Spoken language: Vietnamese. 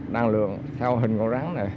đang lường theo hình con rắn này